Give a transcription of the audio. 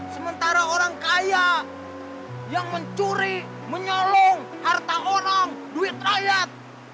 sementara orang kaya yang mencuri menyolong harta orang duit rakyat